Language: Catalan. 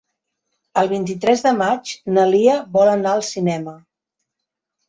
El vint-i-tres de maig na Lia vol anar al cinema.